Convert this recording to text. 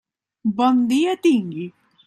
Bon dia tingui.